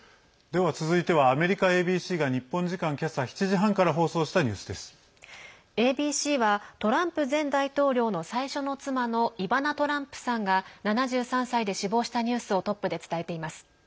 では続いてはアメリカＡＢＣが日本時間けさ７時半からＡＢＣはトランプ前大統領の最初の妻のイバナ・トランプさんが７３歳で死亡したニュースをトップで伝えています。